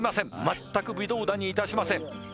全く微動だにいたしません